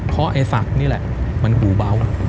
เพราะไอ้ศักดิ์นี่แหละมันหูเบา